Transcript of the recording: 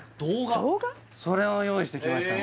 それを用意してきました